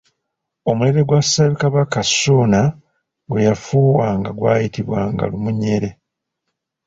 Omulere gwa Ssekabaka Ssuuna gwe yafuuwanga gwayitibwanga Lumuunyere.